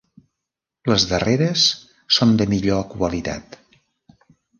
Les darreres són de millor qualitat.